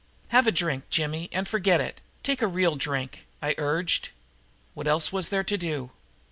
"Have a drink, Jimmy, and forget it. Take a real drink!" I urged. What else was there to do?